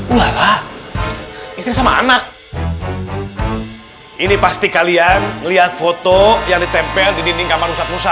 ulala istri sama anak ini pasti kalian lihat foto yang lidtempel di dinding kamar ustadz musa